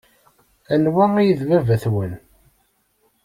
Anwa ay d baba-twen?